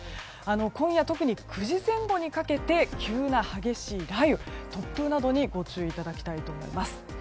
今夜、特に９時前後にかけて急な激しい雷雨突風などにご注意いただきたいと思います。